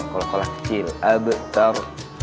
kol kolah kecil abtar